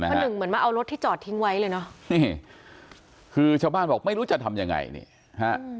คนหนึ่งเหมือนมาเอารถที่จอดทิ้งไว้เลยเนอะนี่คือชาวบ้านบอกไม่รู้จะทำยังไงนี่ฮะ